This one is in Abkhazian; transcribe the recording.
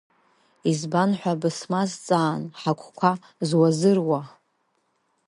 Избан ҳәа бысмазҵаан, ҳагәқәа зуазыруа…